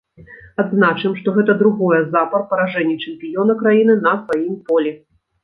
Адзначым, што гэта другое запар паражэнне чэмпіёна краіны на сваім полі.